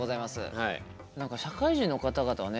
何か社会人の方々はね